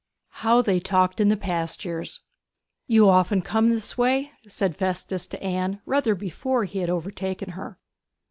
HOW THEY TALKED IN THE PASTURES 'You often come this way?' said Festus to Anne rather before he had overtaken her.